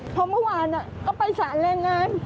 คอโรยัมเมื่อวานอ่ะก็ไปสระแรงงาน